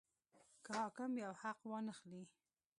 که حاکم یو حق وانه خلي.